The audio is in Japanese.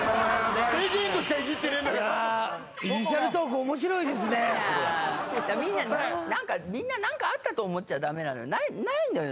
どこがみんな何かみんな何かあったと思っちゃダメなのないのよ